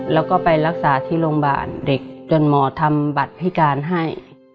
แล้วก็ไปรักษาที่โรงพยาบาลเด็กจนหมอทำบัตรพิการให้